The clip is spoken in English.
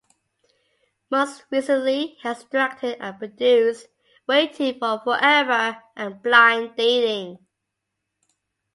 Most recently he has directed and produced "Waiting for Forever" and "Blind Dating".